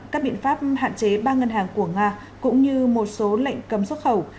các biện pháp hạn chế ba ngân hàng của nga cũng như một số lệnh cấm xuất khẩu